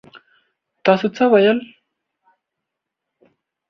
تاسو څه ويل؟